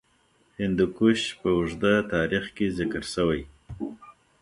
هندوکش په اوږده تاریخ کې ذکر شوی.